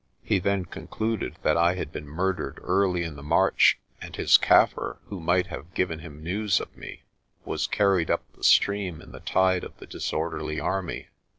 He then concluded that I had been murdered early in the march and his Kaffir, who might have given him news of me, was carried up the stream in the tide of the disorderly army.